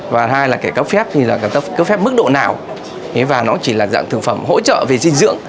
và hai là kể cấp phép thì là ta cấp phép mức độ nào và nó chỉ là dạng thực phẩm hỗ trợ về dinh dưỡng